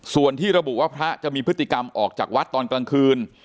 ส่วนที่ระบุว่าพระจะมีพฤติกรรมออกจากวัดตอนกลางคืน